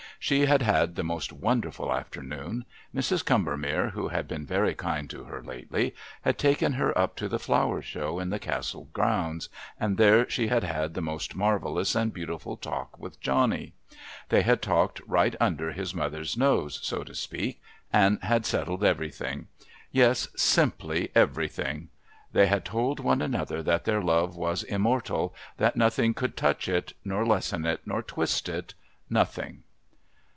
She had had the most wonderful afternoon. Mrs. Combermere, who had been very kind to her lately, had taken her up to the Flower Show in the Castle grounds, and there she had had the most marvellous and beautiful talk with Johnny. They had talked right under his mother's nose, so to speak, and had settled everything. Yes simply everything! They had told one another that their love was immortal, that nothing could touch it, nor lessen it, nor twist it nothing!